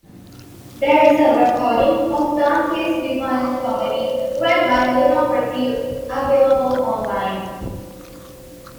There is a recording of Dante's Divine Comedy read by Lino Pertile available online.